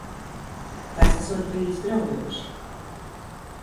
Tas esot bijis graujoši.